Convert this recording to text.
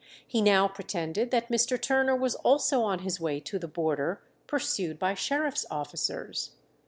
He now pretended that Mr. Turner was also on his way to the border, pursued by sheriffs' officers.